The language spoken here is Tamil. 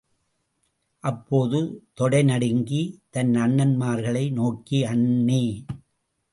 அப்போது, தொடைநடுங்கி, தன் அண்ணன்மார்களை நோக்கி, அண்ணே!